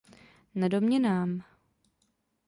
Na domě nám.